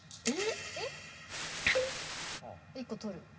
１個取る。